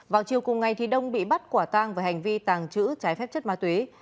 vào chiều cùng ngày thì đông bị bắt quả tang và hành vi tàng trữ trái phép chất ma túy